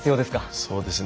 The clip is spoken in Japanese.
そうですね。